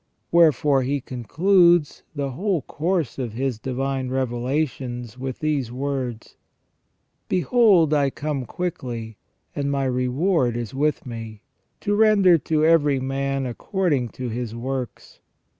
Where fore He concludes the whole course of His divine revelations with these words :" Behold I come quickly ; and My reward is with me, to render to every man according to his works.